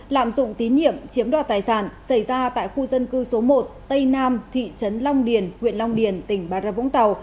lạm dụng tín nhiệm chiếm đoạt tài sản xảy ra tại khu dân cư số một tây nam thị trấn long điền huyện long điền tỉnh bà rơ vũng tàu